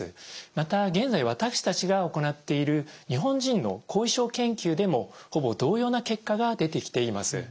また現在私たちが行っている日本人の後遺症研究でもほぼ同様な結果が出てきています。